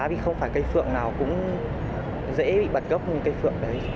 vì không phải cây phượng nào cũng dễ bị bật gốc những cây phượng đấy